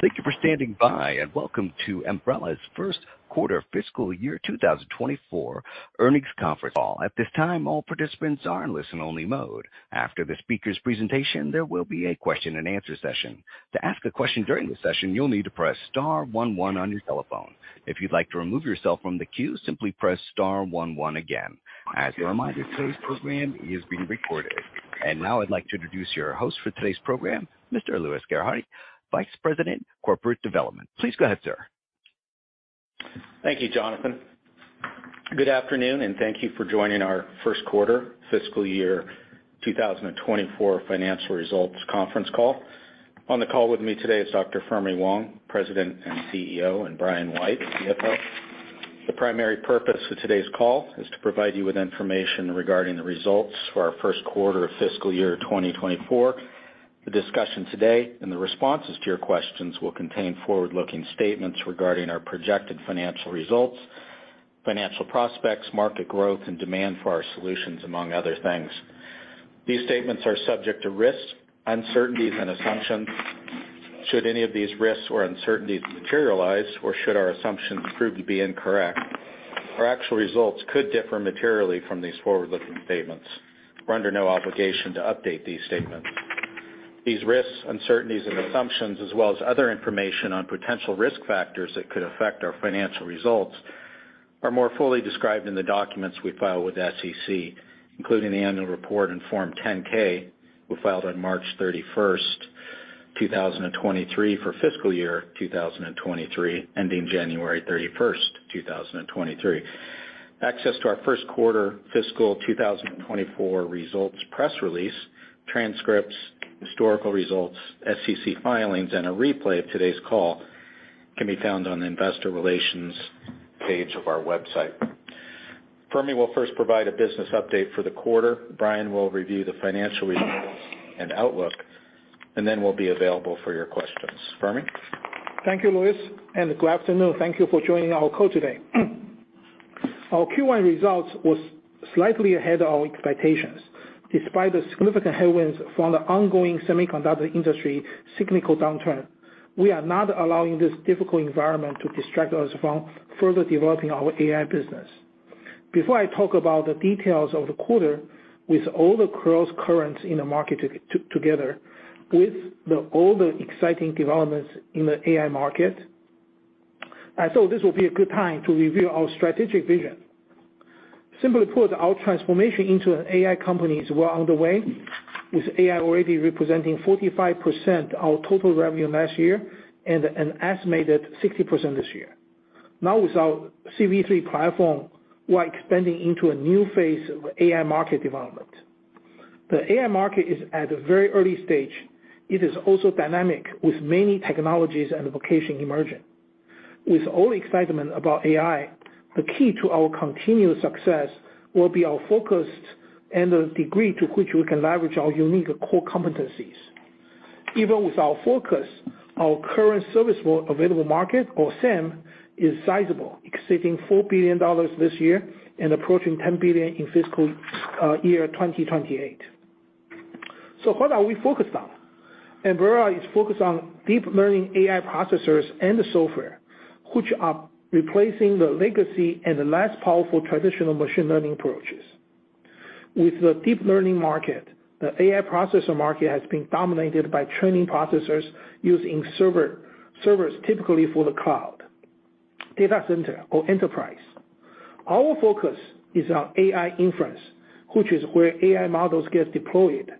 Thank you for standing by, and welcome to Ambarella's first quarter fiscal year 2024 earnings conference call. At this time, all participants are in listen-only mode. After the speaker's presentation, there will be a question-and-answer session. To ask a question during the session, you'll need to press star one one on your telephone. If you'd like to remove yourself from the queue, simply press star one one again. As a reminder, today's program is being recorded. Now I'd like to introduce your host for today's program, Mr. Louis Gerhardy, Vice President, Corporate Development. Please go ahead, sir. Thank you, Jonathan. Good afternoon, and thank you for joining our first quarter fiscal year 2024 financial results conference call. On the call with me today is Dr. Fermi Wang, President and CEO, and Brian White, CFO. The primary purpose of today's call is to provide you with information regarding the results for our first quarter of fiscal year 2024. The discussion today and the responses to your questions will contain forward-looking statements regarding our projected financial results, financial prospects, market growth, and demand for our solutions, among other things. These statements are subject to risks, uncertainties, and assumptions. Should any of these risks or uncertainties materialize, or should our assumptions prove to be incorrect, our actual results could differ materially from these forward-looking statements. We're under no obligation to update these statements. These risks, uncertainties, and assumptions, as well as other information on potential risk factors that could affect our financial results, are more fully described in the documents we file with the SEC, including the annual report and Form 10-K we filed on March 31, 2023, for fiscal year 2023, ending January 31, 2023. Access to our first quarter fiscal 2024 results press release, transcripts, historical results, SEC filings, and a replay of today's call can be found on the investor relations page of our website. Fermi will first provide a business update for the quarter. Brian will review the financial results and outlook, and then we'll be available for your questions. Fermi? Thank you, Louis, good afternoon. Thank you for joining our call today. Our Q1 results was slightly ahead of our expectations, despite the significant headwinds from the ongoing semiconductor industry cyclical downturn. We are not allowing this difficult environment to distract us from further developing our AI business. Before I talk about the details of the quarter, with all the cross currents in the market together, with all the exciting developments in the AI market, I thought this would be a good time to review our strategic vision. Simply put, our transformation into an AI company is well underway, with AI already representing 45% of total revenue last year and an estimated 60% this year. With our CV3 platform, we are expanding into a new phase of AI market development. The AI market is at a very early stage. It is also dynamic, with many technologies and applications emerging. With all excitement about AI, the key to our continued success will be our focus and the degree to which we can leverage our unique core competencies. Even with our focus, our current service available market, or SAM, is sizable, exceeding $4 billion this year and approaching $10 billion in fiscal year 2028. What are we focused on? Ambarella is focused on deep learning AI processors and the software, which are replacing the legacy and the less powerful traditional machine learning approaches. With the deep learning market, the AI processor market has been dominated by training processors using servers, typically for the cloud, data center, or enterprise. Our focus is on AI inference, which is where AI models get deployed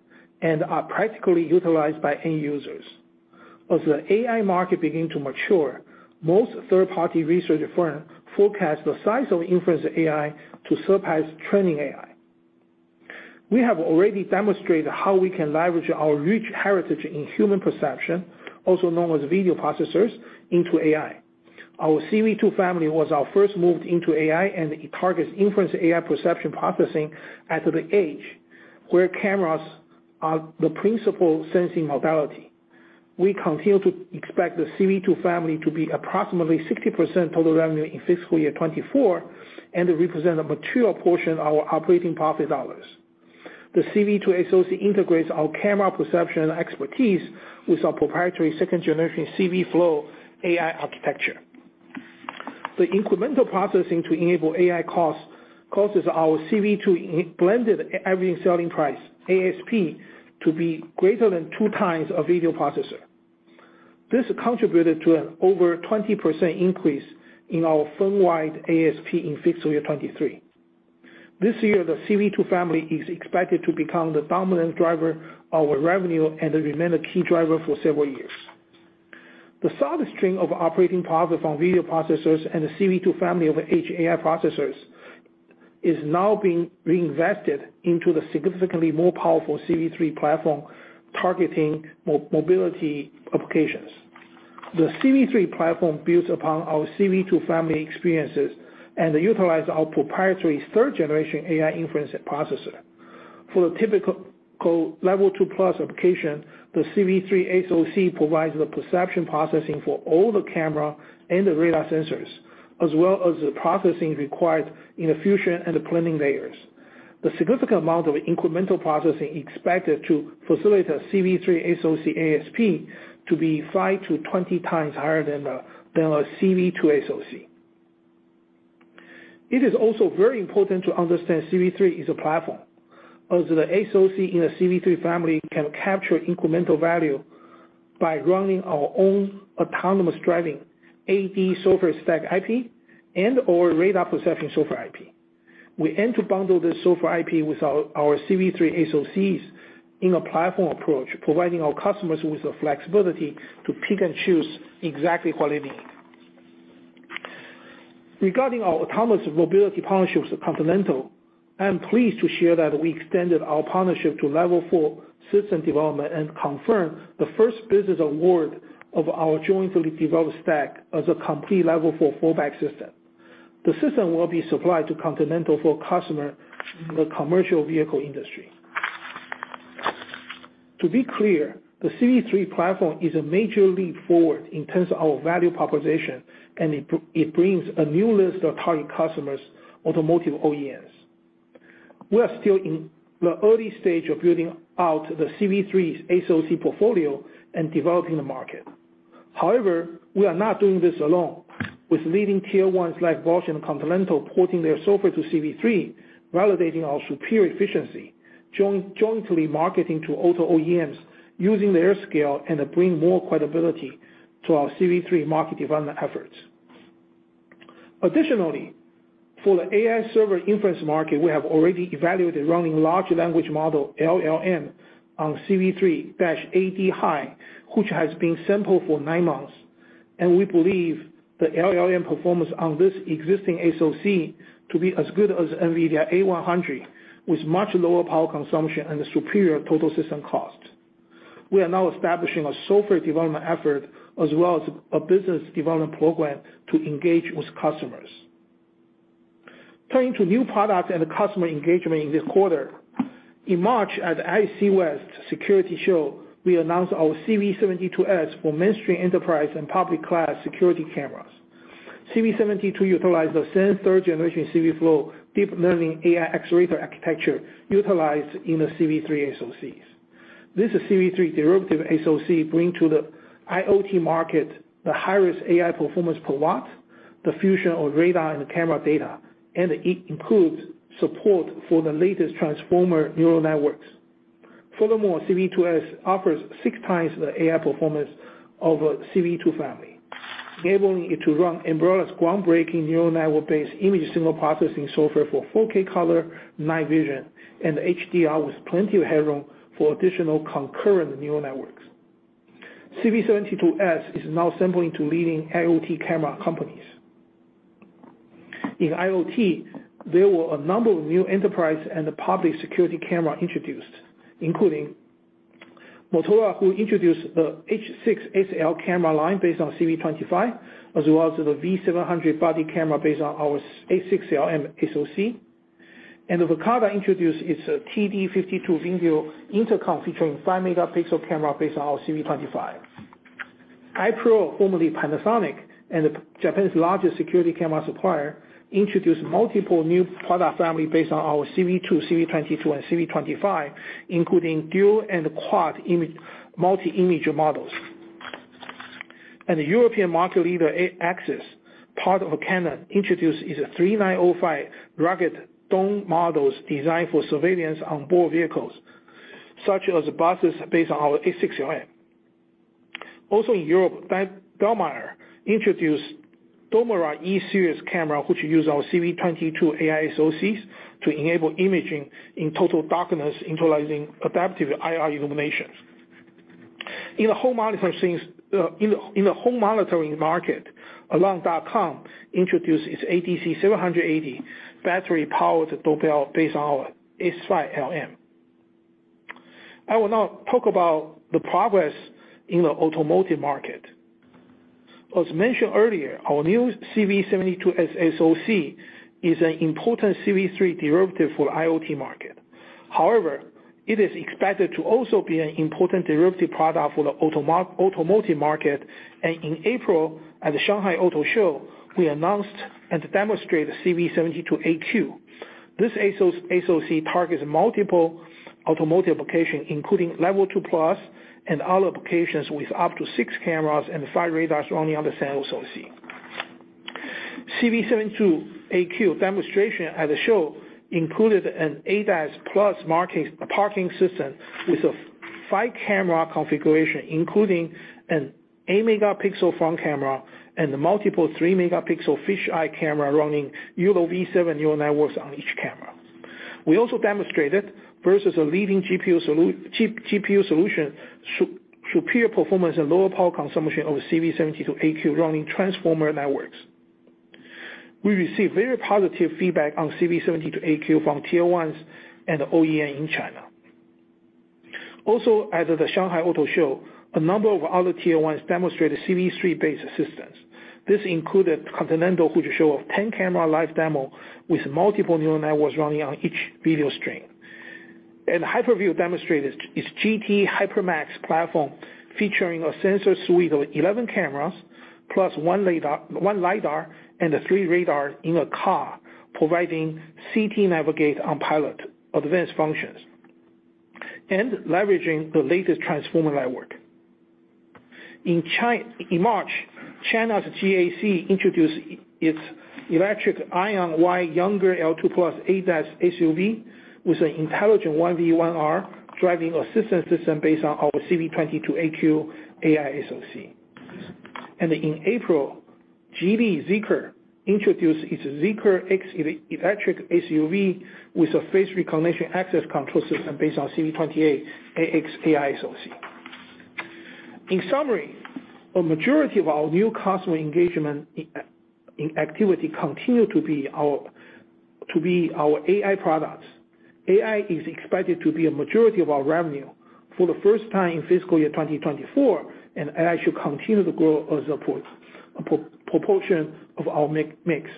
and are practically utilized by end users. As the AI market begins to mature, most third-party research firms forecast the size of inference AI to surpass training AI. We have already demonstrated how we can leverage our rich heritage in human perception, also known as video processors, into AI. Our CV2 family was our first move into AI, and it targets inference AI perception processing at the edge, where cameras are the principal sensing modality. We continue to expect the CV2 family to be approximately 60% total revenue in fiscal year 2024 and to represent a material portion of our operating profit dollars. The CV2 SoC integrates our camera perception expertise with our proprietary 2nd-generation CVflow AI architecture. The incremental processing to enable AI costs, causes our CV to blended average selling price, ASP, to be greater than 2 times a video processor. This contributed to an over 20% increase in our firm-wide ASP in fiscal year 2023. This year, the CV2 family is expected to become the dominant driver of our revenue and remain a key driver for several years. The solid stream of operating profit from video processors and the CV2 family of edge AI processors is now being reinvested into the significantly more powerful CV3 platform, targeting mobility applications. The CV3 platform builds upon our CV2 family experiences and utilize our proprietary third-generation AI inference processor. For the typical level 2-plus application, the CV3 SoC provides the perception processing for all the camera and the radar sensors, as well as the processing required in the fusion and the planning layers. The significant amount of incremental processing expected to facilitate a CV3 SoC ASP to be 5-20 times higher than a CV2 SoC. It is also very important to understand CV3 is a platform, as the SoC in a CV3 family can capture incremental value by running our own autonomous driving, AD software stack IP, and/or radar perception software IP. We aim to bundle this software IP with our CV3 SoCs in a platform approach, providing our customers with the flexibility to pick and choose exactly what they need. Regarding our autonomous mobility partnerships with Continental, I am pleased to share that we extended our partnership to Level four system development and confirm the first business award of our jointly developed stack as a complete Level four fallback system. The system will be supplied to Continental for customer in the commercial vehicle industry. To be clear, the CV3 platform is a major leap forward in terms of our value proposition, and it brings a new list of target customers, automotive OEMs. We are still in the early stage of building out the CV3's SoC portfolio and developing the market. However, we are not doing this alone. With leading tier ones like Bosch and Continental, porting their software to CV3, validating our superior efficiency, jointly marketing to auto OEMs, using their scale and bring more credibility to our CV3 market development efforts. Additionally, for the AI server inference market, we have already evaluated running large language model, LLM, on CV3-AD High, which has been sampled for nine months, and we believe the LLM performance on this existing SoC to be as good as NVIDIA A100, with much lower power consumption and a superior total system cost. We are now establishing a software development effort as well as a business development program to engage with customers. Turning to new product and customer engagement in this quarter. In March, at ISC West Security Show, we announced our CV72S for mainstream enterprise and public cloud security cameras. CV72S utilize the same third generation CVflow deep learning AI accelerator architecture utilized in the CV3 SoCs. This CV3 derivative SoC bring to the IoT market the highest AI performance per watt, the fusion of radar and camera data, and it includes support for the latest transformer neural networks. CV2S offers six times the AI performance of a CV2 family, enabling it to run Ambarella's groundbreaking neural network-based image signal processing software for 4K color, night vision, and HDR, with plenty of headroom for additional concurrent neural networks. CV72S is now sampling to leading IoT camera companies. In IoT, there were a number of new enterprise and public security camera introduced, including Motorola, who introduced the H6SL camera line based on CV25, as well as the V700 body camera based on our S6LM SoC. The Verkada introduced its TD52 Ring View intercom, featuring 5-megapixel camera based on our CV25. i-PRO, formerly Panasonic, Japan's largest security camera supplier, introduced multiple new product family based on our CV2, CV22, and CV25, including dual and quad multi-imager models. The European market leader, Axis, part of Canon, introduced its 3905 rugged dome models designed for surveillance on board vehicles, such as buses based on our S6LM. Also in Europe, Dallmeier introduced Domera E-Series camera, which use our CV22 AI SoCs to enable imaging in total darkness, utilizing adaptive IR illumination. In the home manufacturing, in the home monitoring market, Alarm.com introduced its ADC 780 battery-powered doorbell based on our S5LM. I will now talk about the progress in the automotive market. As mentioned earlier, our new CV72S SoC is an important CV3 derivative for the IoT market. It is expected to also be an important derivative product for the automotive market, and in April, at the Shanghai Auto Show, we announced and demonstrated CV72AQ. This SoC targets multiple automotive applications, including Level 2 plus and other applications with up to 6 cameras and 5 radars running on the same SoC. CV72AQ demonstration at the show included an ADAS Plus markings parking system with a 5-camera configuration, including an 8-megapixel front camera and multiple 3-megapixel fisheye camera running ULO V7 neural networks on each camera. We also demonstrated versus a leading GPU solution, superior performance and lower power consumption over CV72AQ running transformer networks. We received very positive feedback on CV72AQ from tier ones and OEM in China. As of the Shanghai Auto Show, a number of other tier ones demonstrated CV3-based assistance. This included Continental, who show of 10-camera live demo with multiple neural networks running on each video stream. Hyperview demonstrated its GT HyperMax platform, featuring a sensor suite of 11 cameras, plus one lidar, and 3 radar in a car, providing CT navigate on pilot advanced functions and leveraging the latest transformer network. In March, China's GAC introduced its electric AION Y L2+ ADAS SUV with an intelligent 1V1R driving assistance system based on our CV22AQ AI SoC. In April, Geely Zeekr introduced its Zeekr X electric SUV with a face recognition access control system based on CV28AX AI SoC. In summary, a majority of our new customer engagement in activity continue to be our AI products. AI is expected to be a majority of our revenue for the first time in fiscal year 2024, and AI should continue to grow as a proportion of our mix.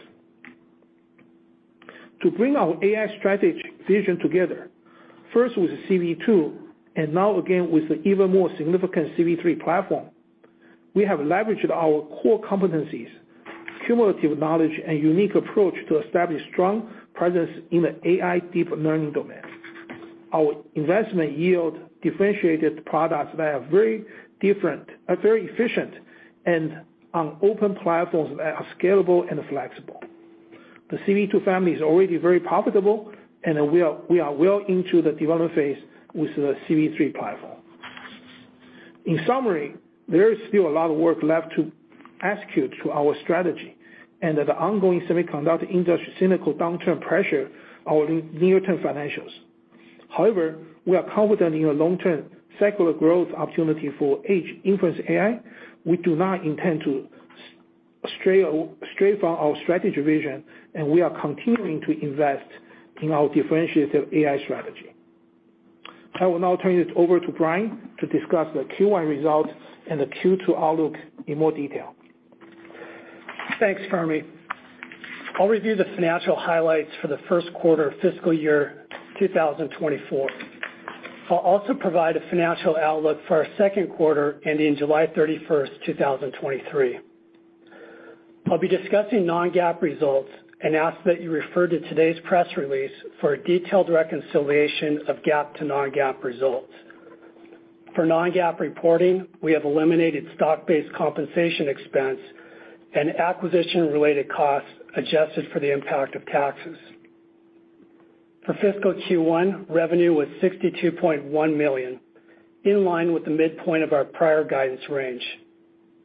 To bring our AI strategy vision together, first with the CV2 and now again with an even more significant CV3 platform, we have leveraged our core competencies, cumulative knowledge, and unique approach to establish strong presence in the AI deep learning domain. Our investment yield differentiated products that are very different, are very efficient, and on open platforms that are scalable and flexible. The CV2 family is already very profitable. We are well into the development phase with the CV3 platform. In summary, there is still a lot of work left to execute to our strategy. That the ongoing semiconductor industry cynical downturn pressure our near-term financials. However, we are confident in the long-term secular growth opportunity for edge inference AI. We do not intend to stray from our strategy vision. We are continuing to invest in our differentiated AI strategy. I will now turn it over to Brian to discuss the Q1 results and the Q2 outlook in more detail. Thanks, Fermi. I'll review the financial highlights for the first quarter of fiscal year 2024. I'll also provide a financial outlook for our second quarter, ending July 31st, 2023. I'll be discussing non-GAAP results and ask that you refer to today's press release for a detailed reconciliation of GAAP to non-GAAP results. For non-GAAP reporting, we have eliminated stock-based compensation expense and acquisition-related costs, adjusted for the impact of taxes. For fiscal Q1, revenue was $62.1 million, in line with the midpoint of our prior guidance range,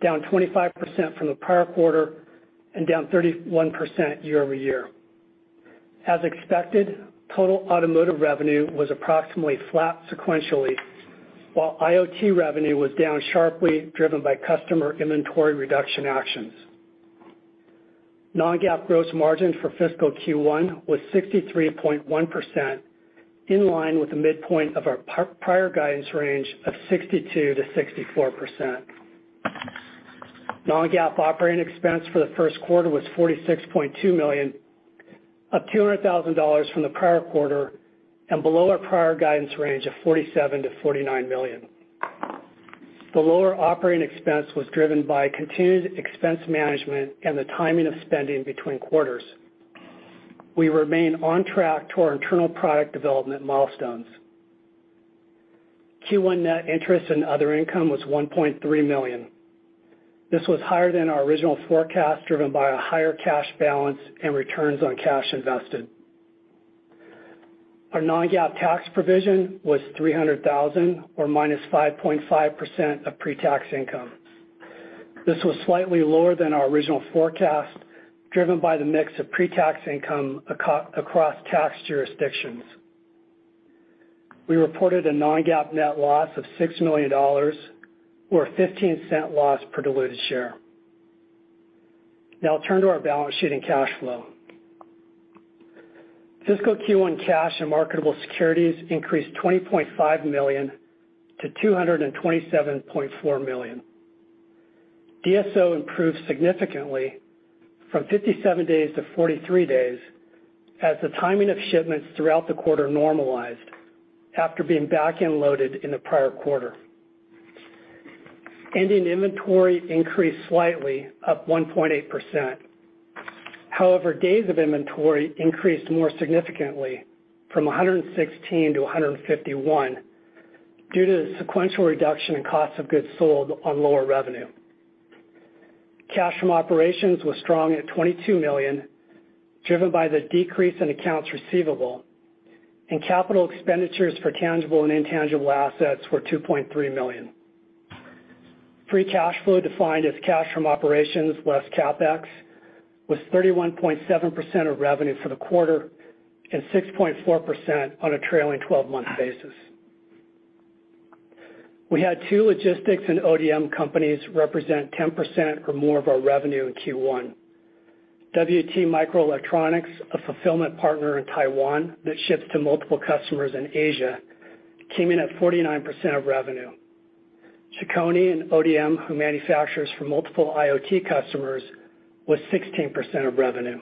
down 25% from the prior quarter and down 31% year-over-year. As expected, total automotive revenue was approximately flat sequentially, while IoT revenue was down sharply, driven by customer inventory reduction actions. Non-GAAP gross margin for fiscal Q1 was 63.1%, in line with the midpoint of our prior guidance range of 62%-64%. Non-GAAP operating expense for the first quarter was $46.2 million, up $200,000 from the prior quarter and below our prior guidance range of $47 million-$49 million. The lower operating expense was driven by continued expense management and the timing of spending between quarters. We remain on track to our internal product development milestones. Q1 net interest and other income was $1.3 million. This was higher than our original forecast, driven by a higher cash balance and returns on cash invested. Our non-GAAP tax provision was $300,000, or -5.5% of pre-tax income. This was slightly lower than our original forecast, driven by the mix of pre-tax income across tax jurisdictions. We reported a non-GAAP net loss of $6 million or a $0.15 loss per diluted share. I'll turn to our balance sheet and cash flow. Fiscal Q1 cash and marketable securities increased $20.5 million to $227.4 million. DSO improved significantly from 57 days to 43 days, as the timing of shipments throughout the quarter normalized after being back-end loaded in the prior quarter. Ending inventory increased slightly, up 1.8%. Days of inventory increased more significantly from 116 to 151 due to the sequential reduction in cost of goods sold on lower revenue. Cash from operations was strong at $22 million, driven by the decrease in accounts receivable, and CapEx for tangible and intangible assets were $2.3 million. Free cash flow, defined as cash from operations, less CapEx, was 31.7% of revenue for the quarter and 6.4% on a trailing 12-month basis. We had two logistics and ODM companies represent 10% or more of our revenue in Q1. WT Microelectronics, a fulfillment partner in Taiwan that ships to multiple customers in Asia, came in at 49% of revenue. Chicony and ODM, who manufactures for multiple IoT customers, was 16% of revenue.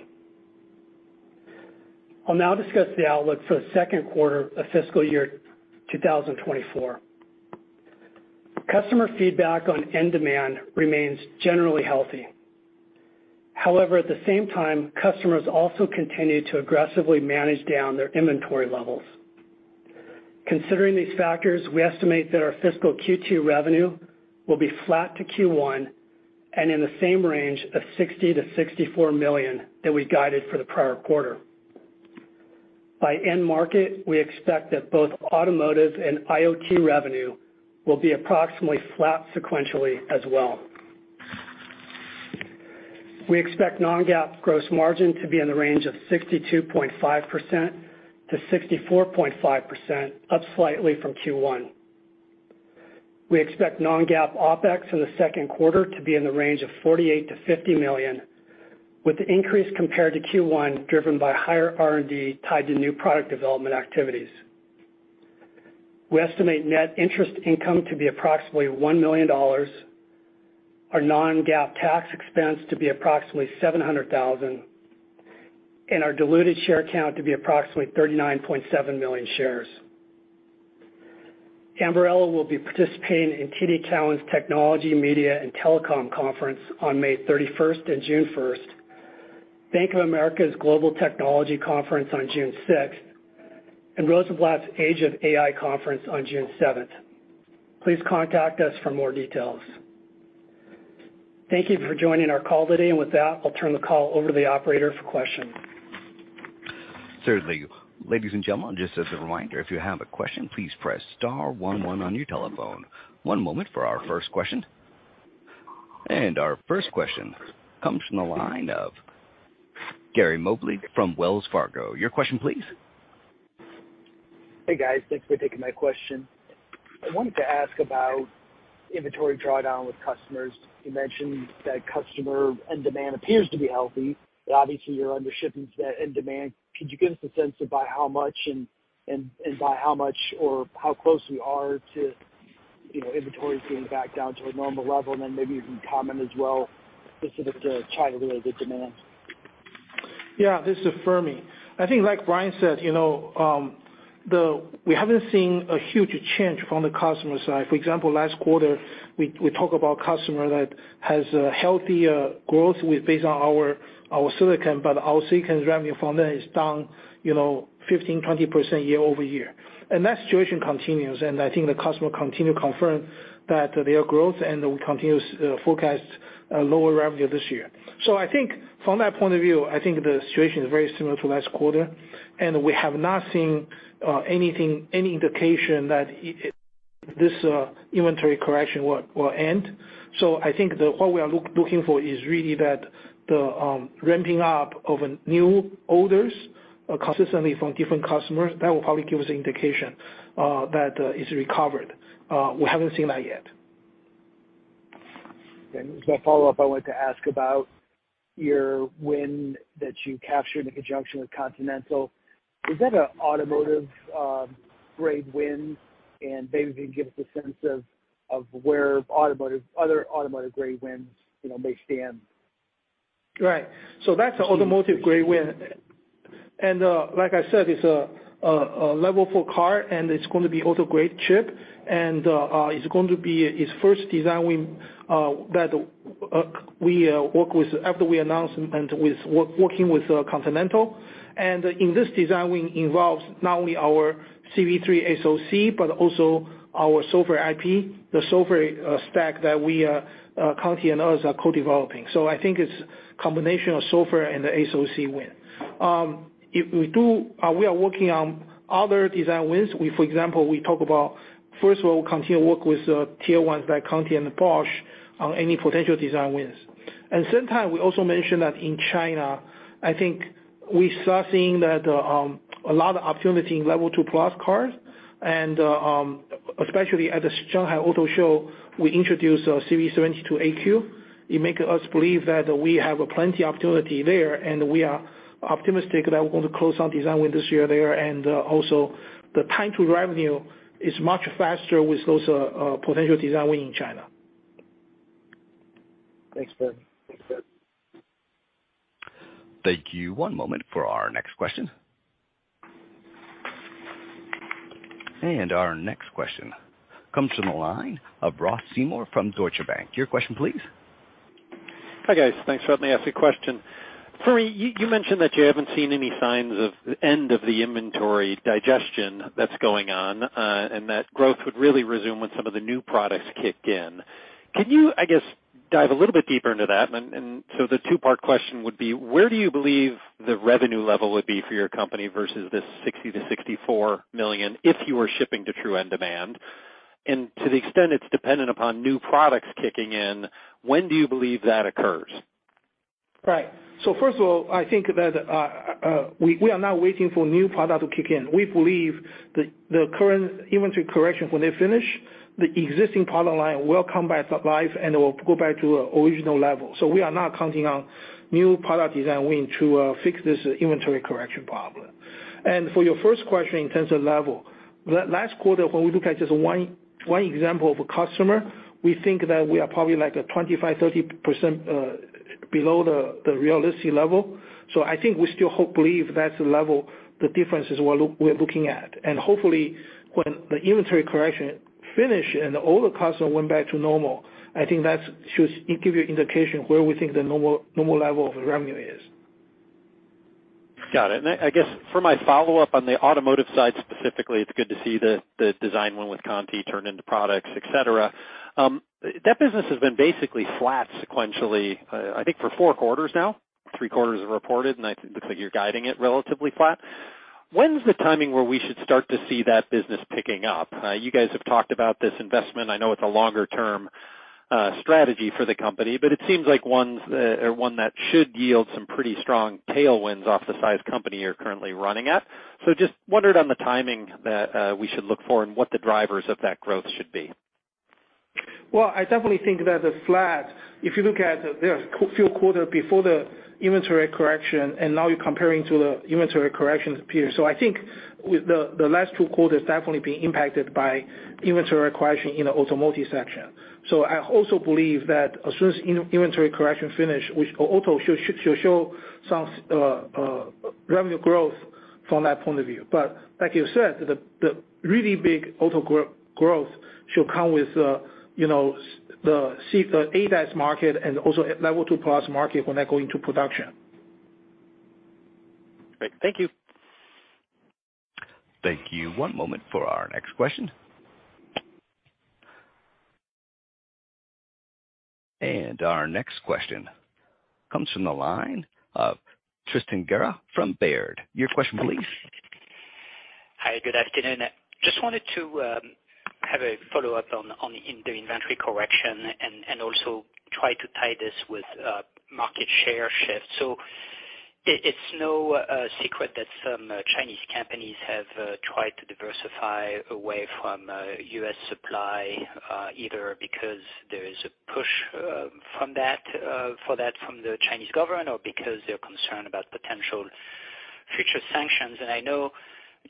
I'll now discuss the outlook for the second quarter of fiscal year 2024. Customer feedback on end demand remains generally healthy. However, at the same time, customers also continue to aggressively manage down their inventory levels. Considering these factors, we estimate that our fiscal Q2 revenue will be flat to Q1 and in the same range of $60 million-$64 million that we guided for the prior quarter. By end market, we expect that both automotive and IoT revenue will be approximately flat sequentially as well. We expect non-GAAP gross margin to be in the range of 62.5%-64.5%, up slightly from Q1. We expect non-GAAP OpEx in the second quarter to be in the range of $48 million-$50 million, with the increase compared to Q1, driven by higher R&D tied to new product development activities. We estimate net interest income to be approximately $1 million, our non-GAAP tax expense to be approximately $700,000, and our diluted share count to be approximately 39.7 million shares. Ambarella will be participating in TD Cowen's Technology, Media, and Telecom Conference on May 31st and June 1st, Bank of America's Global Technology Conference on June 6th, and Rosenblatt's Age of AI Conference on June 7th. Please contact us for more details. Thank you for joining our call today, and with that, I'll turn the call over to the operator for questions. Certainly. Ladies and gentlemen, just as a reminder, if you have a question, please press star one one on your telephone. One moment for our first question. Our first question comes from the line of Gary Mobley from Wells Fargo. Your question, please. Hey, guys. Thanks for taking my question. I wanted to ask about inventory drawdown with customers. You mentioned that customer end demand appears to be healthy, but obviously, you're under shipping end demand. Could you give us a sense of by how much or how close we are to, you know, inventories getting back down to a normal level? Maybe you can comment as well, specific to China-related demand. Yeah, this is Fermi. I think like Brian White said, you know, we haven't seen a huge change from the customer side. For example, last quarter, we talk about customer that has healthy growth with based on our silicon, our silicon revenue from that is down, you know, 15%, 20% year-over-year. That situation continues, and I think the customer continue confirm that their growth and will continue to forecast lower revenue this year. I think from that point of view, I think the situation is very similar to last quarter, and we have not seen anything, any indication that this inventory correction will end. I think the, what we are looking for is really that the ramping up of a new orders consistently from different customers, that will probably give us an indication that it's recovered. We haven't seen that yet. As a follow-up, I wanted to ask about your win that you captured in conjunction with Continental. Is that an automotive grade win? Maybe you can give us a sense of where automotive, other automotive grade wins, you know, may stand. Right. That's an automotive grade win. Like I said, it's a level four car, and it's going to be auto-grade chip, and it's going to be its first design win, that we work with after we announce and working with, Continental. In this design win involves not only our CV3 SoC, but also our software IP, the software stack that we are, Conti and us are co-developing. I think it's a combination of software and the SoC win. We are working on other design wins. We, for example, we talk about, first of all, we continue to work with, tier ones like Conti and Porsche on any potential design wins. Same time, we also mentioned that in China, I think we start seeing that a lot of opportunity in L2+ cars, especially at Auto Shanghai, we introduced our CV72AQ. It make us believe that we have plenty of opportunity there, we are optimistic that we're going to close some design win this year there, also the time to revenue is much faster with those potential design win in China. Thanks, Fermi. Thanks, Fermi. Thank you. One moment for our next question. Our next question comes from the line of Ross Seymour from Deutsche Bank. Your question, please. Hi, guys. Thanks for letting me ask a question. Fermi, you mentioned that you haven't seen any signs of the end of the inventory digestion that's going on, and that growth would really resume when some of the new products kick in. Can you, I guess, dive a little bit deeper into that? The two-part question would be: Where do you believe the revenue level would be for your company versus this $60 million-$64 million, if you were shipping to true end demand? To the extent it's dependent upon new products kicking in, when do you believe that occurs? First of all, I think that we are not waiting for new product to kick in. We believe that the current inventory correction, when they finish, the existing product line will come back alive and will go back to original level. We are not counting on new product design win to fix this inventory correction problem. For your first question, in terms of level, last quarter, when we look at just one example of a customer, we think that we are probably like a 25%, 30% below the realistic level. I think we still hope, believe that's the level, the differences we're looking at. Hopefully, when the inventory correction finish and all the customer went back to normal, I think that should give you indication where we think the normal level of revenue is. Got it. I guess for my follow-up on the automotive side, specifically, it's good to see the design win with Continental turned into products, et cetera. That business has been basically flat sequentially, I think for four quarters now. Three quarters are reported, and I think, looks like you're guiding it relatively flat. When's the timing where we should start to see that business picking up? You guys have talked about this investment. I know it's a longer-term strategy for the company, but it seems like one that should yield some pretty strong tailwinds off the size company you're currently running at. Just wondered on the timing that we should look for and what the drivers of that growth should be. I definitely think that the flat, if you look at the, there are few quarter before the inventory correction, and now you're comparing to the inventory correction period. I think with the last two quarters definitely being impacted by inventory correction in the automotive section. I also believe that as soon as inventory correction finish, which auto should show some revenue growth from that point of view. Like you said, the really big auto growth should come with, you know, the see the AVAS market and also Level 2+ market when they're going to production. Great. Thank you. Thank you. One moment for our next question. Our next question comes from the line of Tristan Gerra from Baird. Your question, please. Hi, good afternoon. Just wanted to have a follow-up on the, in the inventory correction and also try to tie this with market share shift. It's no secret that some Chinese companies have tried to diversify away from U.S. supply, either because there is a push from that for that from the Chinese government, or because they're concerned about potential future sanctions. I know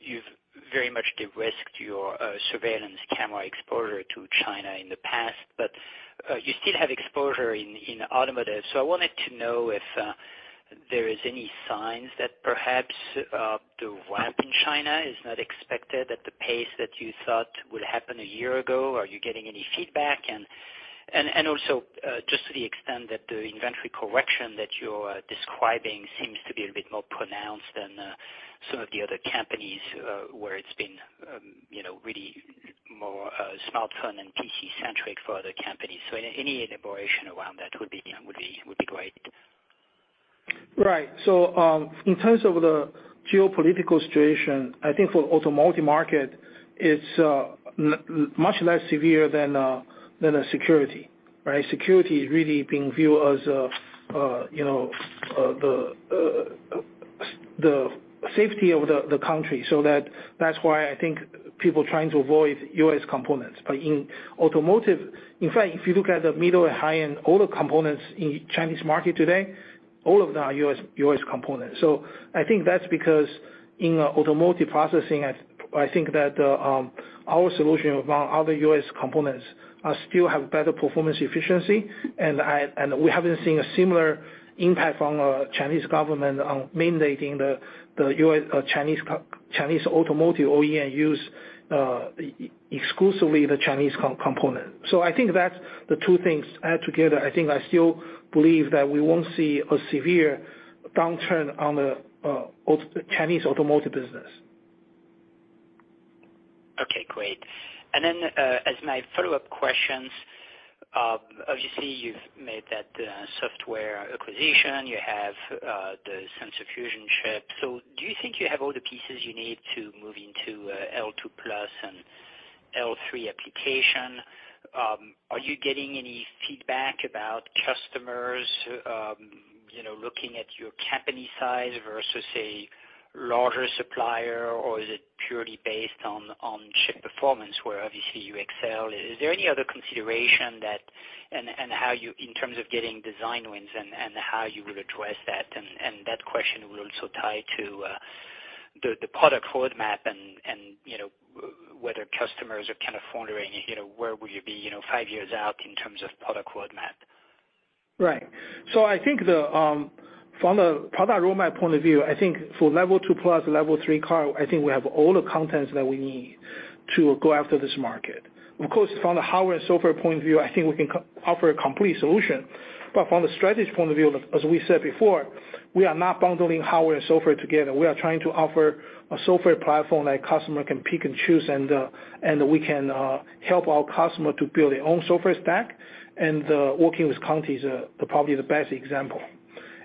you've very much de-risked your surveillance camera exposure to China in the past, but you still have exposure in automotive. I wanted to know if there is any signs that perhaps the ramp in China is not expected at the pace that you thought would happen a year ago. Are you getting any feedback? Just to the extent that the inventory correction that you're describing seems to be a bit more pronounced than some of the other companies, where it's been, you know, really more smartphone and PC-centric for other companies. Any elaboration around that would be great. Right. In terms of the geopolitical situation, I think for automotive market, it's much less severe than a security, right? Security is really being viewed as, you know, the safety of the country. That's why I think people trying to avoid US components. In automotive, in fact, if you look at the middle or high-end, all the components in Chinese market today, all of them are US components. I think that's because in automotive processing, I think that our solution among other US components still have better performance efficiency. We haven't seen a similar impact from Chinese government on mandating the US Chinese automotive OEM use exclusively the Chinese component. I think that's the 2 things add together. I think I still believe that we won't see a severe downturn on the Chinese automotive business. Okay, great. Then, as my follow-up questions, obviously, you've made that, software acquisition. You have, the sensor fusion chip. Do you think you have all the pieces you need to move into, L2+ and L3 application? Are you getting any feedback about customers, you know, looking at your company size versus, say, larger supplier? Is it purely based on chip performance, where obviously you excel? Is there any other consideration that... How you, in terms of getting design wins and, how you would address that? That question will also tie to, the product roadmap and, you know, whether customers are kind of wondering, you know, where will you be, you know, 5 years out in terms of product roadmap. I think the, from a product roadmap point of view, I think for Level Two Plus, Level Three car, I think we have all the contents that we need to go after this market. Of course, from the hardware and software point of view, I think we can offer a complete solution. From a strategy point of view, as we said before, we are not bundling hardware and software together. We are trying to offer a software platform that customer can pick and choose, and we can help our customer to build their own software stack. Working with Continental is probably the best example.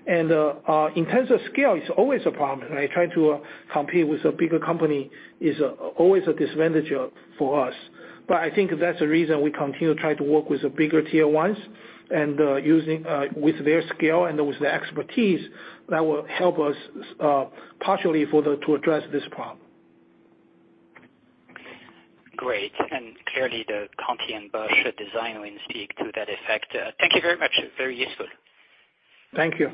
In terms of scale, it's always a problem. I try to compete with a bigger company is always a disadvantage for us. I think that's the reason we continue to try to work with the bigger tier ones, and, using, with their scale and with their expertise, that will help us, partially to address this problem. Great. Clearly, the Continental and Bosch design wins speak to that effect. Thank you very much. Very useful. Thank you.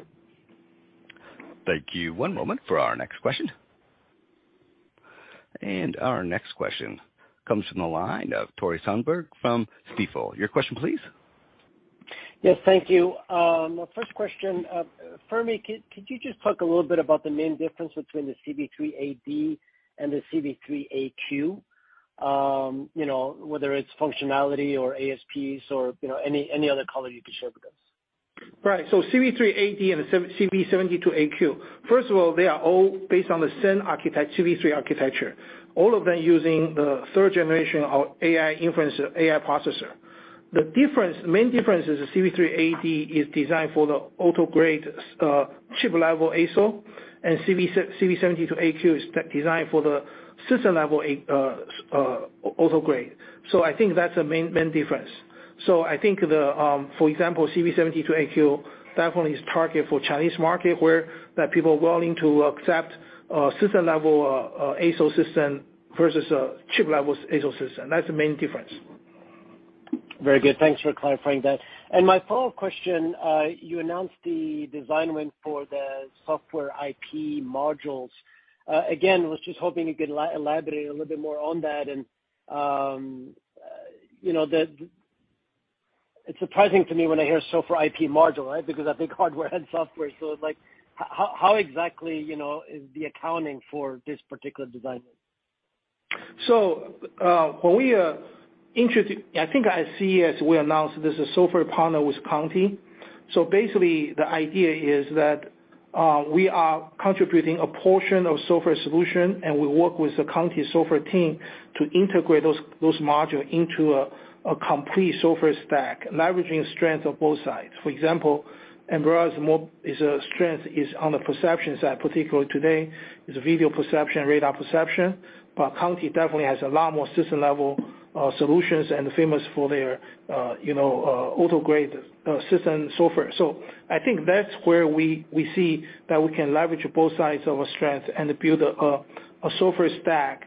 Thank you. One moment for our next question. Our next question comes from the line of Tore Svanberg from Stifel. Your question, please? Yes, thank you. First question, Fermi, could you just talk a little bit about the main difference between the CV380 and the CV38Q? You know, whether it's functionality or ASPs or, you know, any other color you can share with us. Right. CV380 and the CV72AQ. First of all, they are all based on the same CV3 architecture. All of them using the third generation of AI inference, AI processor. The difference, main difference is the CV380 is designed for the auto-grade, chip-level SoC, and CV72AQ is designed for the system-level, auto-grade. I think that's the main difference. I think the, for example, CV72AQ, definitely is targeted for Chinese market, where that people are willing to accept, system-level, SoC system versus a chip-level SoC system. That's the main difference. Very good. Thanks for clarifying that. My follow-up question, you announced the design win for the software IP modules. Again, was just hoping you could elaborate a little bit more on that. You know, it's surprising to me when I hear software IP module, right? Because I think hardware and software. How exactly, you know, is the accounting for this particular design? When we are I think I see, as we announced, this is a software partner with Continental. Basically, the idea is that we are contributing a portion of software solution, and we work with the Continental software team to integrate those modules into a complete software stack, leveraging strength of both sides. For example, Ambarella's is strength is on the perception side, particularly today, is video perception, radar perception. Continental definitely has a lot more system-level solutions and famous for their, you know, auto-grade system software. I think that's where we see that we can leverage both sides of our strength and build a software stack,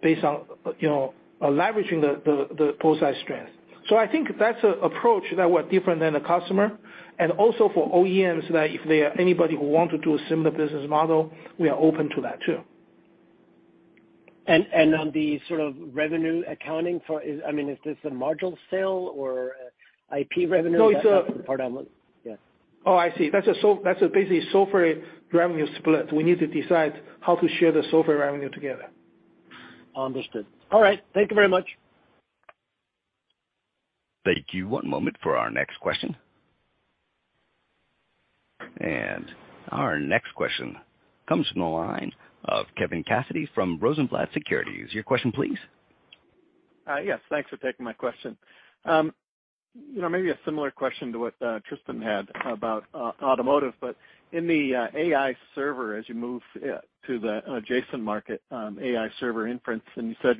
based on, you know, leveraging the both sides' strength. I think that's an approach that we're different than the customer, and also for OEMs, that if there are anybody who want to do a similar business model, we are open to that, too. On the sort of revenue accounting for, I mean, is this a module sale or IP revenue? No, it's. Part, yeah. Oh, I see. That's a basically software revenue split. We need to decide how to share the software revenue together. Understood. All right. Thank Thank you very much. Thank you. One moment for our next question. Our next question comes from the line of Kevin Cassidy from Rosenblatt Securities. Your question, please? Yes, thanks for taking my question. You know, maybe a similar question to what Tristan had about automotive, but in the AI server, as you move to the adjacent market, AI server inference. You said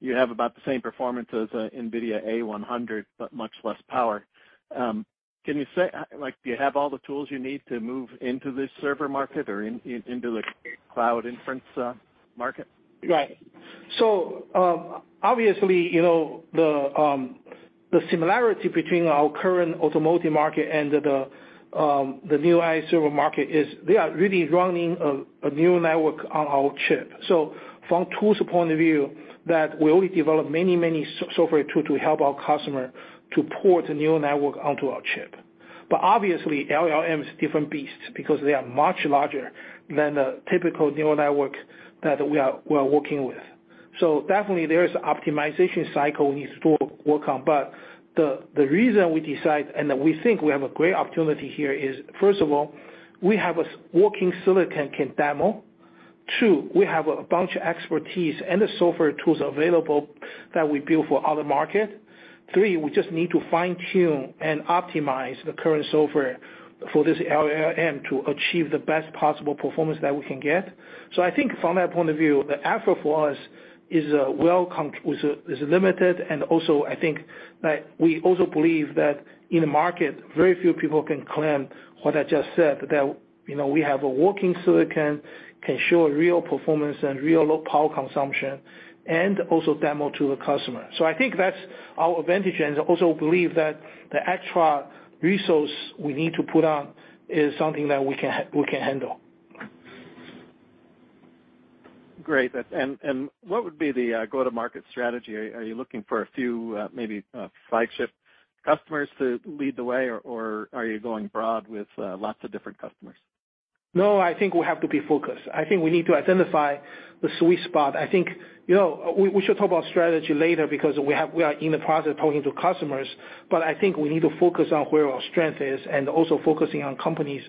you have about the same performance as NVIDIA A100, but much less power. Can you say, like, do you have all the tools you need to move into this server market or into the cloud inference market? Right. Obviously, you know, the similarity between our current automotive market and the new AI server market is they are really running a neural network on our chip. From tools point of view, that we already developed many software tool to help our customer to port the neural network onto our chip. Obviously, LLM is different beast because they are much larger than the typical neural network that we are working with. Definitely there is optimization cycle we need to work on. The reason we decide, and we think we have a great opportunity here, is, first of all, we have a working silicon can demo. Two, we have a bunch of expertise and the software tools available that we build for other market. Three, we just need to fine-tune and optimize the current software for this LLM to achieve the best possible performance that we can get. I think from that point of view, the effort for us is limited. I think that we also believe that in the market, very few people can claim what I just said, that, you know, we have a working silicon, can show real performance and real low power consumption and also demo to the customer. I think that's our advantage, and I also believe that the extra resource we need to put on is something that we can handle. Great. What would be the go-to-market strategy? Are you looking for a few, maybe, flagship customers to lead the way, or are you going broad with lots of different customers? I think we have to be focused. I think we need to identify the sweet spot. I think, you know, we should talk about strategy later because we are in the process of talking to customers. I think we need to focus on where our strength is and also focusing on companies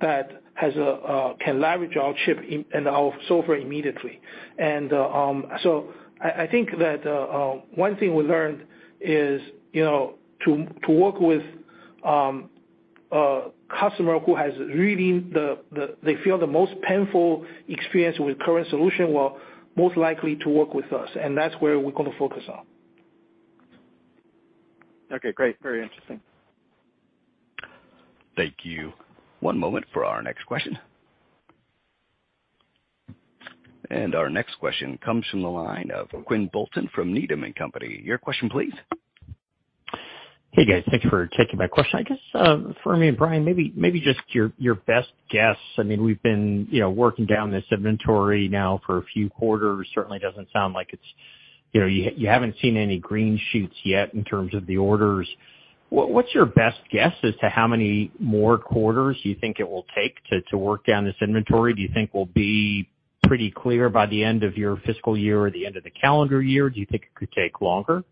that has a can leverage our chip in, and our software immediately. I think that one thing we learned is, you know, to work with a customer who has really they feel the most painful experience with current solution, will most likely to work with us, and that's where we're gonna focus on. Okay, great. Very interesting. Thank you. One moment for our next question. Our next question comes from the line of Quinn Bolton from Needham & Company. Your question, please? Hey, guys. Thanks for taking my question. I guess, Fermi and Brian, maybe just your best guess. I mean, we've been, you know, working down this inventory now for a few quarters. Certainly doesn't sound like it's, you know, you haven't seen any green shoots yet in terms of the orders. What's your best guess as to how many more quarters you think it will take to work down this inventory? Do you think we'll be pretty clear by the end of your fiscal year or the end of the calendar year? Do you think it could take longer?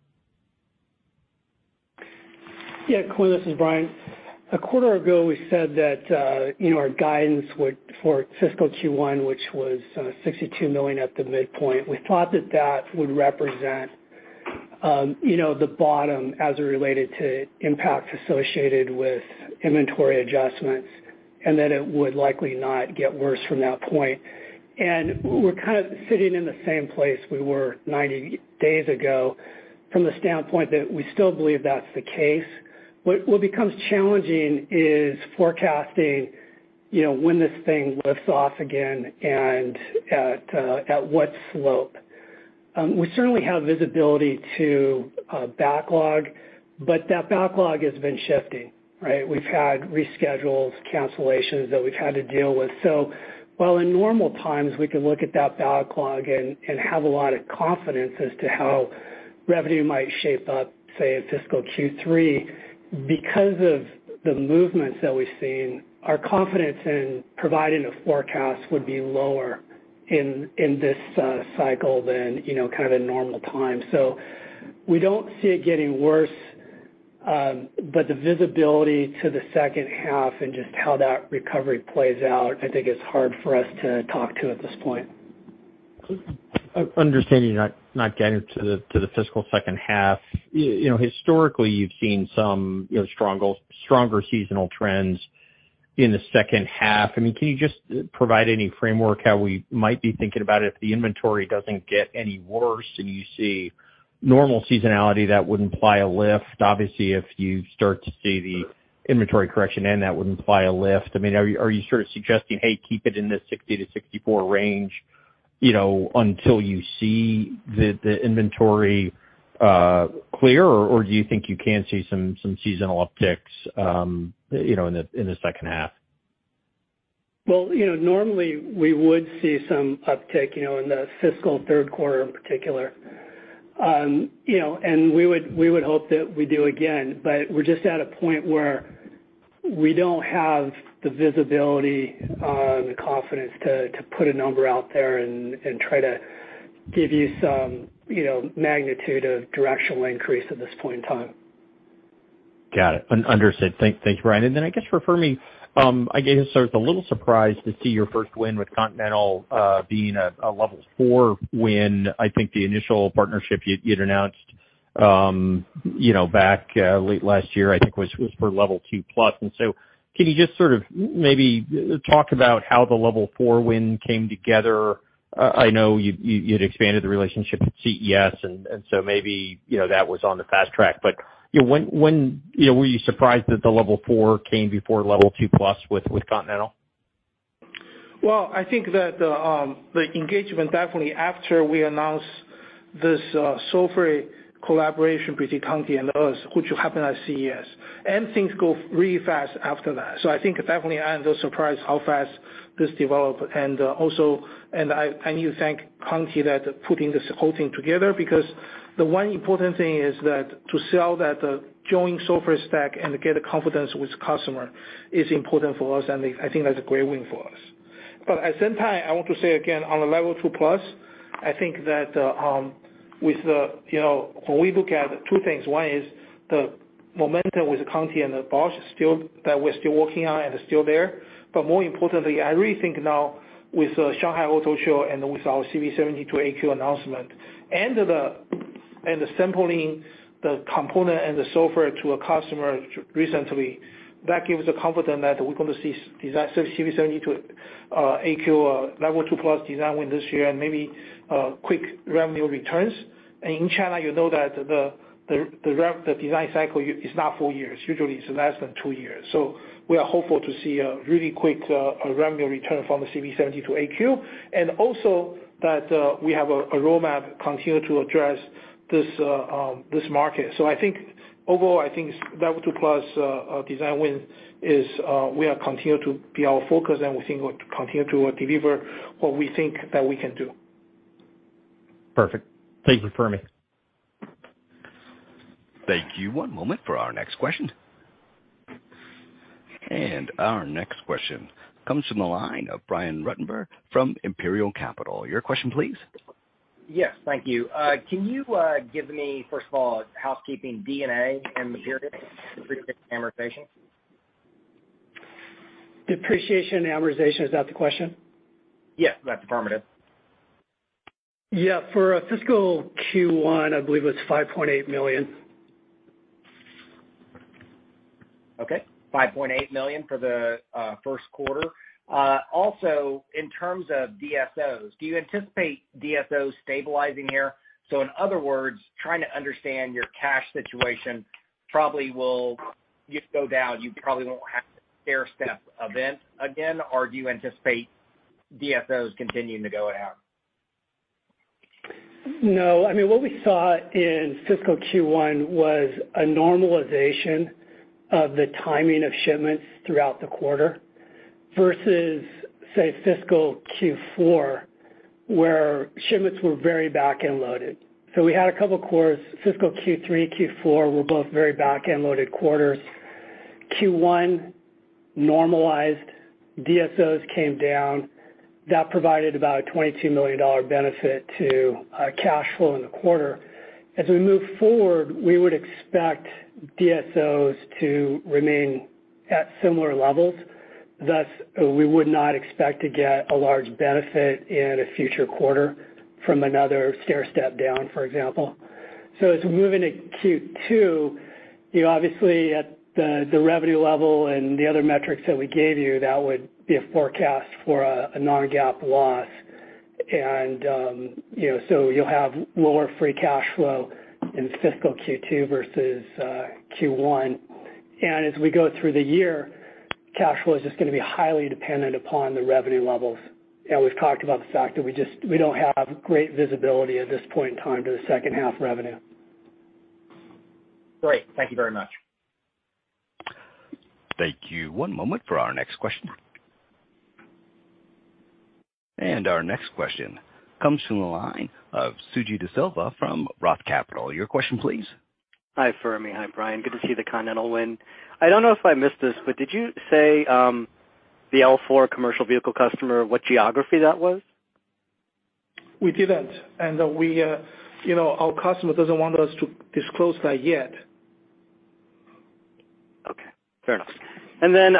Yeah, Quinn, this is Brian. A quarter ago, we said that, you know, our guidance would, for fiscal Q1, which was $62 million at the midpoint, we thought that that would represent, you know, the bottom as it related to impacts associated with inventory adjustments, and that it would likely not get worse from that point. We're kind of sitting in the same place we were 90 days ago, from the standpoint that we still believe that's the case. What becomes challenging is forecasting, you know, when this thing lifts off again and at what slope. We certainly have visibility to backlog, but that backlog has been shifting, right? We've had reschedules, cancellations that we've had to deal with. While in normal times we can look at that backlog and have a lot of confidence as to how revenue might shape up, say, in fiscal Q3, because of the movements that we've seen, our confidence in providing a forecast would be lower in this cycle than, you know, kind of in normal times. We don't see it getting worse, but the visibility to the second half and just how that recovery plays out, I think is hard for us to talk to at this point. Understanding you're not getting to the fiscal second half, you know, historically, you've seen some, you know, stronger seasonal trends in the second half. I mean, can you just provide any framework how we might be thinking about it if the inventory doesn't get any worse and you see normal seasonality, that would imply a lift? Obviously, if you start to see the inventory correction, and that would imply a lift. I mean, are you sort of suggesting, "Hey, keep it in the 60 to 64 range, you know, until you see the inventory clear?" Or do you think you can see some seasonal upticks, you know, in the second half? Well, you know, normally we would see some uptick, you know, in the fiscal third quarter in particular. You know, and we would hope that we do again, but we're just at a point where we don't have the visibility, the confidence to put a number out there and try to give you some, you know, magnitude of directional increase at this point in time. Got it. understood. Thank you, Brian. I guess for Fermi, I guess I was a little surprised to see your first win with Continental, being a level 4, when I think the initial partnership you'd announced, you know, back, late last year, I think was for level 2+. Can you just sort of maybe talk about how the level 4 win came together? I know you, you'd expanded the relationship at CES, maybe, you know, that was on the fast track. You know, when, you know, were you surprised that the level 4 came before level 2 plus with Continental? Well, I think that the engagement, definitely after we announced this software collaboration between Conti and us, which happened at CES, and things go really fast after that. I think definitely I am just surprised how fast this developed. Also, I need to thank Conti that putting this whole thing together, because the one important thing is that to sell that joint software stack and get the confidence with customer is important for us, and I think that's a great win for us. At the same time, I want to say again, on a level two plus, I think that, you know, when we look at two things, one is the momentum with Conti and the Bosch still, that we're still working on and are still there. More importantly, I really think now with the Auto Shanghai and with our CV72AQ announcement and the sampling the component and the software to a customer recently, that gives the confidence that we're going to see CV72 AQ level 2+ design win this year and maybe quick revenue returns. In China, you know that the design cycle is not 4 years. Usually, it's less than 2 years. We are hopeful to see a really quick revenue return from the CV72AQ, and also that we have a roadmap continue to address this market. I think overall, I think L2+ design win is, we are continue to be our focus, and we think we'll continue to deliver what we think that we can do. Perfect. Thank you, Fermi. Thank you. One moment for our next question. Our next question comes from the line of Brian Ruttenbur from Imperial Capital. Your question, please? Yes, thank you. Can you give me, first of all, housekeeping D&A and the period depreciation, amortization? Depreciation and amortization, is that the question? Yes, that's affirmative. Yeah. For fiscal Q1, I believe it was $5.8 million. Okay, $5.8 million for the first quarter. Also, in terms of DSOs, do you anticipate DSOs stabilizing here? In other words, trying to understand your cash situation probably will just go down. You probably won't have to stairstep event again, or do you anticipate DSOs continuing to go down? No. I mean, what we saw in fiscal Q1 was a normalization of the timing of shipments throughout the quarter, versus, say, fiscal Q4, where shipments were very back-end loaded. We had a couple of quarters, fiscal Q3, Q4 were both very back-end loaded quarters. Q1 normalized, DSOs came down. That provided about a $22 million benefit to cash flow in the quarter. As we move forward, we would expect DSOs to remain at similar levels, thus, we would not expect to get a large benefit in a future quarter from another stairstep down, for example. As we move into Q2, you know, obviously, at the revenue level and the other metrics that we gave you, that would be a forecast for a non-GAAP loss. You know, you'll have lower free cash flow in fiscal Q2 versus Q1. As we go through the year, cash flow is just going to be highly dependent upon the revenue levels. We've talked about the fact that we don't have great visibility at this point in time to the second half revenue. Great. Thank you very much. Thank you. One moment for our next question. Our next question comes from the line of Suji Desilva from ROTH MKM. Your question, please. Hi, Fermi. Hi, Brian. Good to see the Continental win. I don't know if I missed this, but did you say the L4 commercial vehicle customer, what geography that was? We didn't. We, you know, our customer doesn't want us to disclose that yet. Okay, fair enough. Then,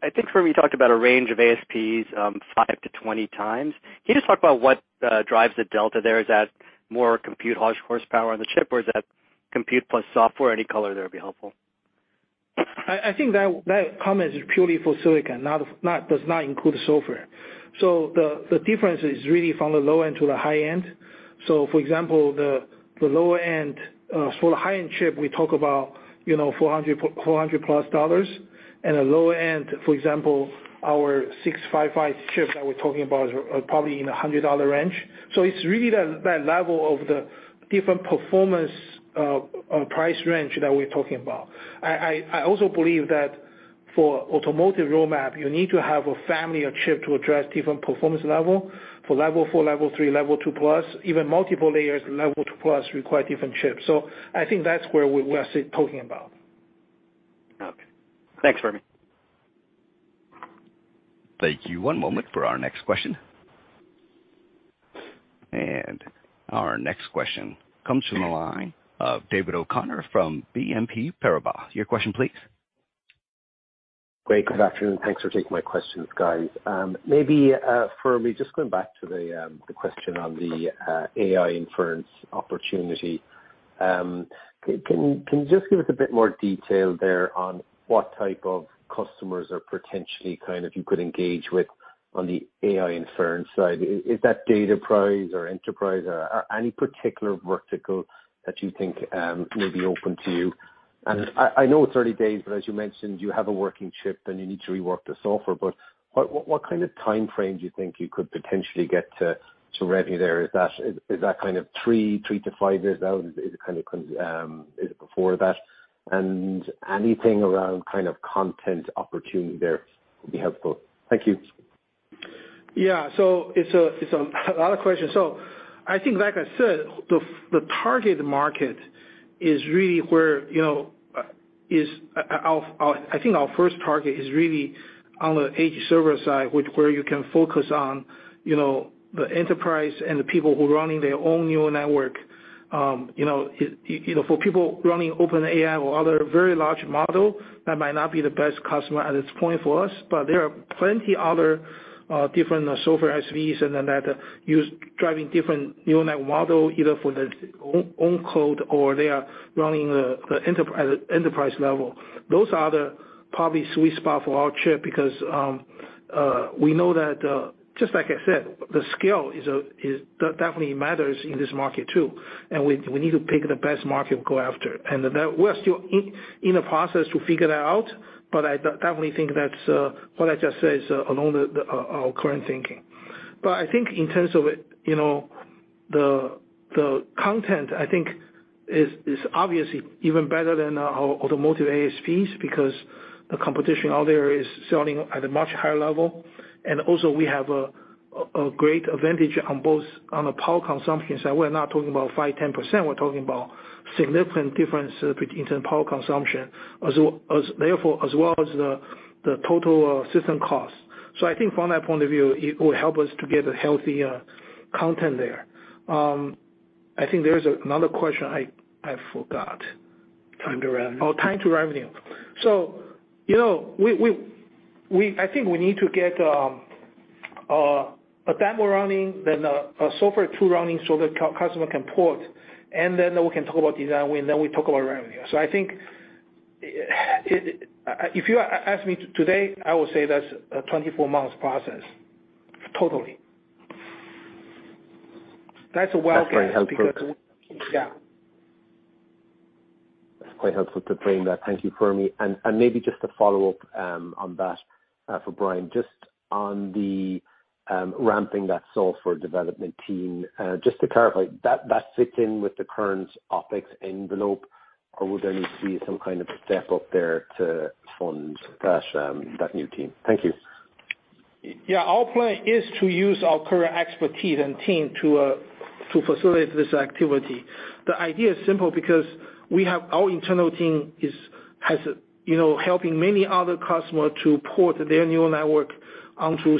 I think, Fermi, you talked about a range of ASPs, 5x-20x. Can you just talk about what drives the delta there? Is that more compute horsepower on the chip, or is that compute plus software? Any color there would be helpful. I think that comment is purely for silicon, does not include the software. The difference is really from the low end to the high end. For example, the lower end for the high-end chip, we talk about, you know, $400+, and the lower end, for example, our CV3-AD655 chip that we're talking about is probably in the $100 range. It's really that level of the different performance price range that we're talking about. I also believe that for automotive roadmap, you need to have a family of chip to address different performance level. For Level 4, Level 3, Level 2+, even multiple layers, Level 2+ require different chips. I think that's where we're talking about. Okay. Thanks, Fermi. Thank you. One moment for our next question. Our next question comes from the line of David O'Connor from BNP Paribas. Your question, please. Great. Good afternoon. Thanks for taking my questions, guys. Maybe Fermi, just going back to the question on the AI inference opportunity. Can you just give us a bit more detail there on what type of customers are potentially kind of you could engage with on the AI inference side? Is that data price or enterprise, or any particular vertical that you think may be open to you? I know it's early days, but as you mentioned, you have a working chip, and you need to rework the software. What kind of time frame do you think you could potentially get to revenue there? Is that kind of 3-5 years out? Is it kind of, is it before that? Anything around kind of content opportunity there would be helpful. Thank you. Yeah. It's a lot of questions. I think, like I said, the target market is really where, you know, is our first target is really on the edge server side, which where you can focus on, you know, the enterprise and the people who are running their own neural network. you know, it, you know, for people running OpenAI or other very large model, that might not be the best customer at this point for us, but there are plenty other different software SVs and then that driving different neural net model, either for the own code, or they are running the enterprise level. Those are the probably sweet spot for our chip, because we know that just like I said, the scale definitely matters in this market, too. We need to pick the best market to go after. That we're still in the process to figure that out, but I definitely think that what I just said is along our current thinking. I think in terms of it, you know, the content, I think is obviously even better than our automotive ASPs, because the competition out there is selling at a much higher level. Also we have a great advantage on both on the power consumption side. We're not talking about 5%, 10%, we're talking about significant difference between power consumption, as therefore, as well as the total system cost. I think from that point of view, it will help us to get a healthy, content there. I think there's another question I forgot. Time to revenue. Time to revenue. you know, we I think we need to get a demo running, then a software tool running so the customer can port, then we can talk about design win, then we talk about revenue. I think If you ask me today, I will say that's a 24 months process. Totally. That's a wild guess. That's very helpful. Yeah. It's quite helpful to frame that. Thank you, Fermi. Maybe just to follow up on that for Brian, just on the ramping that software development team, just to clarify, that fits in with the current OpEx envelope, or would there need to be some kind of step up there to fund that new team? Thank you. Yeah, our plan is to use our current expertise and team to facilitate this activity. The idea is simple, because our internal team is, you know, helping many other customers to port their neural network onto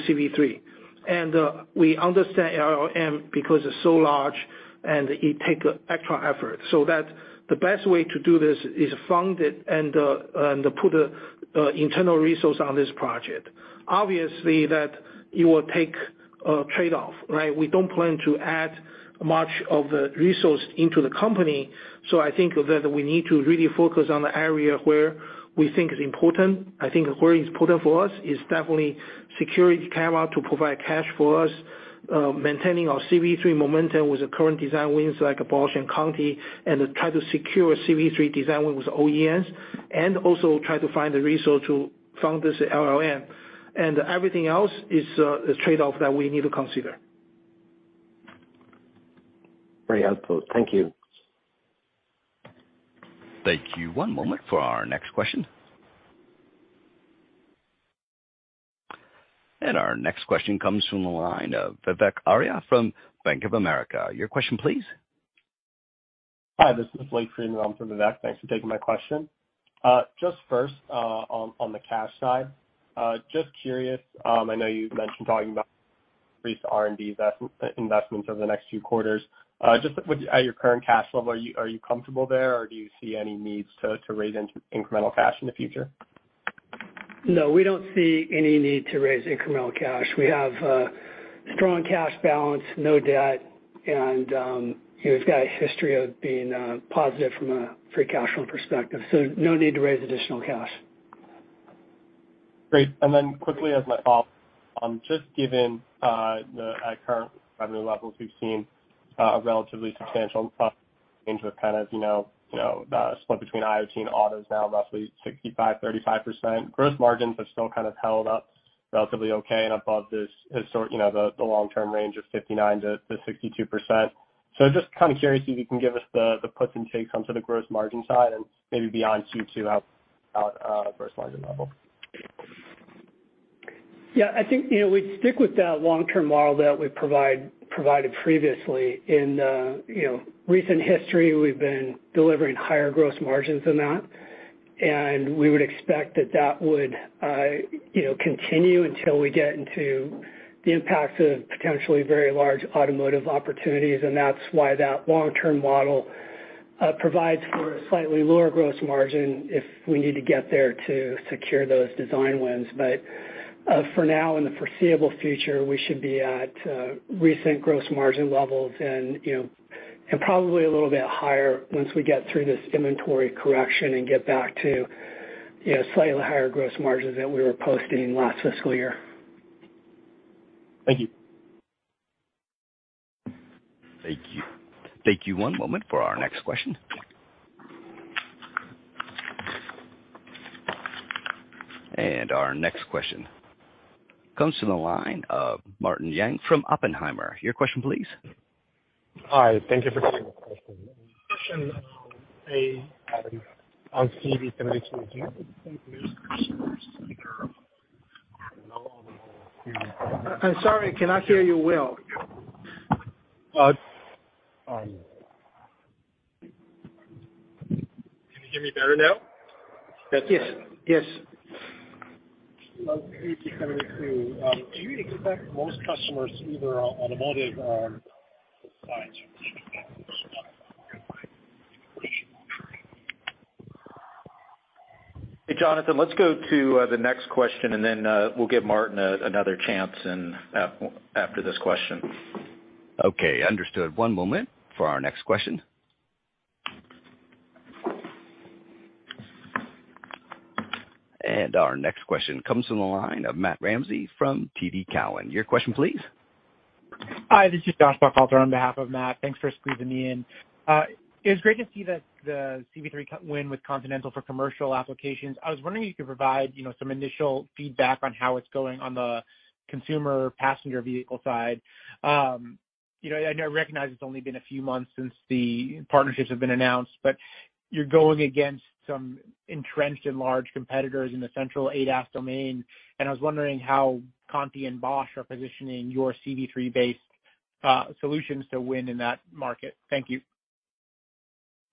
CV3. We understand LLM, because it's so large, and it take extra effort, so that the best way to do this is fund it and put a internal resource on this project. Obviously, that it will take a trade-off, right? We don't plan to add much of the resource into the company, so I think that we need to really focus on the area where we think is important. I think where is important for us is definitely security camera to provide cash for us, maintaining our CV3 momentum with the current design wins like Bosch and Continental, and try to secure CV3 design wins with OEMs, and also try to find the resource to fund this LLM. Everything else is a trade-off that we need to consider. Great output. Thank you. Thank you. One moment for our next question. Our next question comes from the line of Vivek Arya from Bank of America. Your question, please. Hi, this is Blake Friedman. I'm from Vivek. Thanks for taking my question. Just first on the cash side, just curious, I know you've mentioned talking about recent R&D investments over the next few quarters. Just with at your current cash level, are you comfortable there, or do you see any needs to raise incremental cash in the future? We don't see any need to raise incremental cash. We have strong cash balance, no debt, and it's got a history of being positive from a free cash flow perspective, so no need to raise additional cash. Great. Quickly as my follow-up, just given at current revenue levels, we've seen a relatively substantial change with the split between IoT and autos now, roughly 65%, 35%. Gross margins have still held up relatively okay and above this, his sort, the long-term range of 59%-62%. Just curious if you can give us the puts and takes on the gross margin side and maybe beyond Q2, out first line level. Yeah, I think, you know, we'd stick with that long-term model that we provided previously. In, you know, recent history, we've been delivering higher gross margins than that, and we would expect that that would, you know, continue until we get into the impacts of potentially very large automotive opportunities, and that's why that long-term model provides for a slightly lower gross margin if we need to get there to secure those design wins. For now, in the foreseeable future, we should be at recent gross margin levels and, you know, and probably a little bit higher once we get through this inventory correction and get back to, you know, slightly higher gross margins than we were posting last fiscal year. Thank you. Thank you. Thank you. One moment for our next question. Our next question comes from the line of Martin Yang from Oppenheimer. Your question, please. Hi. Thank you for taking this question. I'm sorry, cannot hear you well. Can you hear me better now? Yes. Yes. Do you expect most customers, either on automotive? Hey, Jonathan, let's go to the next question, and then, we'll give Martin another chance in after this question. Okay, understood. One moment for our next question. Our next question comes from the line of Matt Ramsay from TD Cowen. Your question, please. Hi, this is Josh Buchalter on behalf of Matt. Thanks for squeezing me in. It was great to see that the CV3 win with Continental for commercial applications. I was wondering if you could provide, you know, some initial feedback on how it's going on the consumer passenger vehicle side. You know, I recognize it's only been a few months since the partnerships have been announced, but you're going against some entrenched and large competitors in the central ADAS domain, and I was wondering how Continental and Bosch are positioning your CV3-based solutions to win in that market. Thank you.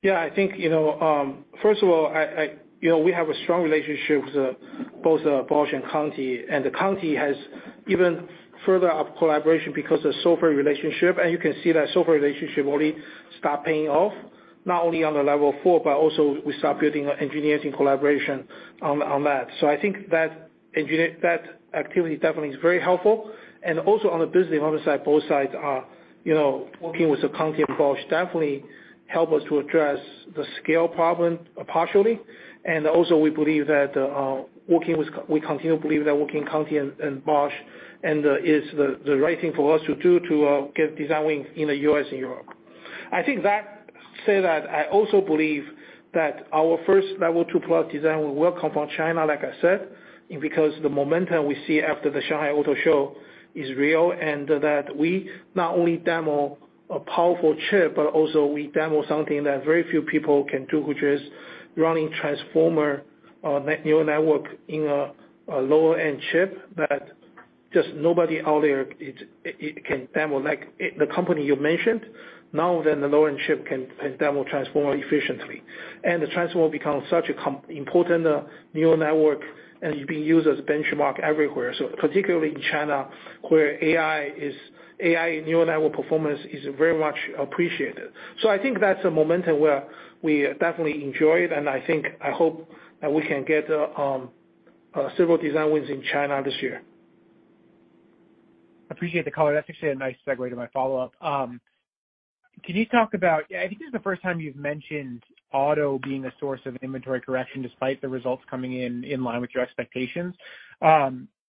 Yeah, I think, you know, first of all, I, you know, we have a strong relationship with both Bosch and Conti, and the Conti has even further up collaboration because of software relationship. You can see that software relationship already start paying off, not only on the level 4, but also we start building engineering collaboration on that. I think that activity definitely is very helpful. Also on the business development side, both sides are, you know, working with the Conti and Bosch definitely help us to address the scale problem partially. Also, we believe that we continue to believe that working Conti and Bosch is the right thing for us to do, to get designing in the U.S. and Europe. I think that say that I also believe that our first L2+ design will come from China, like I said, because the momentum we see after the Shanghai Auto Show is real, and that we not only demo a powerful chip, but also we demo something that very few people can do, which is running transformer neural network in a lower-end chip that just nobody out there it can demo. Like, the company you mentioned, now then the low-end chip can demo transformer efficiently. The transformer becomes such an important neural network and is being used as benchmark everywhere. Particularly in China, where AI neural network performance is very much appreciated. I think that's a momentum where we definitely enjoy it, and I think, I hope that we can get several design wins in China this year. Appreciate the color. That's actually a nice segue to my follow-up. Can you talk about, I think this is the first time you've mentioned auto being a source of inventory correction, despite the results coming in line with your expectations.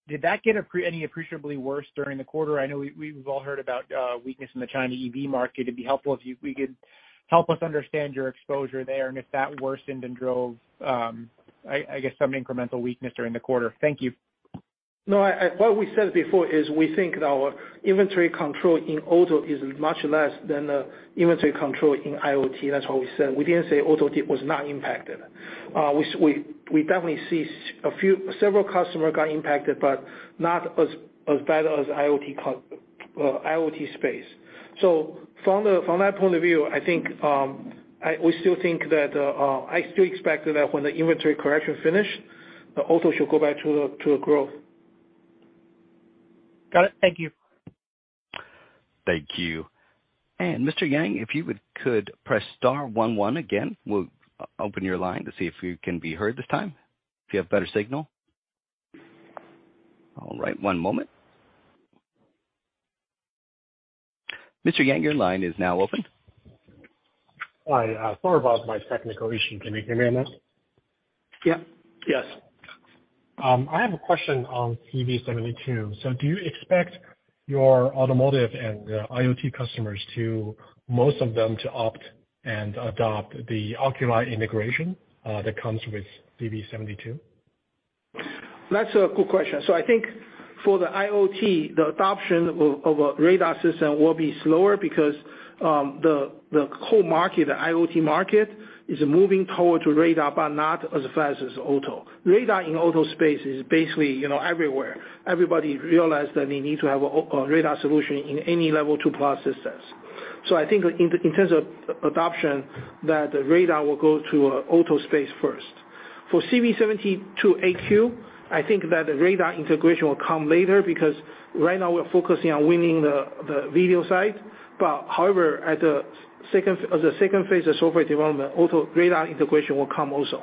Did that get any appreciably worse during the quarter? I know we've all heard about weakness in the China EV market. It'd be helpful if you, we could help us understand your exposure there and if that worsened and drove, I guess, some incremental weakness during the quarter. Thank you. No, what we said before is we think our inventory control in auto is much less than the inventory control in IoT. That's what we said. We didn't say auto was not impacted. We definitely see several customers got impacted, but not as bad as IoT space. From that point of view, I think, we still think that I still expect that when the inventory correction finish, the auto should go back to the growth. Got it. Thank you. Thank you. Mr. Yang, if you would, could press star one again, we'll open your line to see if you can be heard this time, if you have better signal. All right, one moment. Mr. Yang, your line is now open. Hi, sorry about my technical issue. Can you hear me now? Yep. Yes. I have a question on CV72. Do you expect your automotive and IoT customers to, most of them, to opt and adopt the Oculii integration that comes with CV72? That's a good question. I think for the IoT, the adoption of a radar system will be slower because the whole market, the IoT market, is moving toward to radar, but not as fast as auto. Radar in auto space is basically, you know, everywhere. Everybody realized that they need to have a radar solution in any level two plus systems. I think in terms of adoption, the radar will go to auto space first. For CV72AQ, I think the radar integration will come later, because right now we're focusing on winning the video side. However, as the second phase of software development, auto radar integration will come also.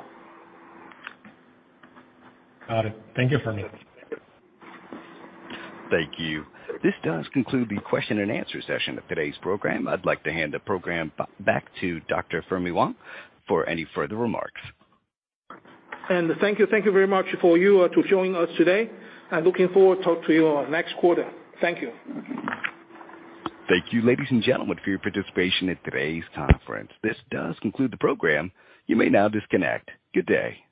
Got it. Thank you, Fermi. Thank you. This does conclude the question and answer session of today's program. I'd like to hand the program back to Dr. Fermi Wang for any further remarks. Thank you very much for you, to joining us today, and looking forward to talk to you next quarter. Thank you. Thank you, ladies and gentlemen, for your participation in today's conference. This does conclude the program. You may now disconnect. Good day!